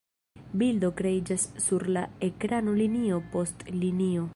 Bildo kreiĝas sur la ekrano linio post linio.